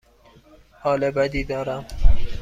حال بدی دارم.